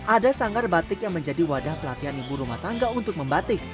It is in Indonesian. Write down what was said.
ada sanggar batik yang menjadi wadah pelatihan ibu rumah tangga untuk membatik